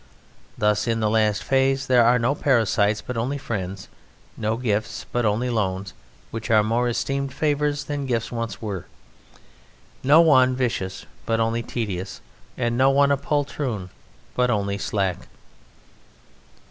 Thus, in the last phase, there are no parasites but only friends, no gifts but only loans, which are more esteemed favours than gifts once were. No one vicious but only tedious, and no one a poltroon but only slack.